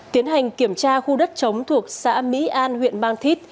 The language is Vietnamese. tiến hành kiểm tra khu đất chống thuộc xã mỹ an huyện mang thít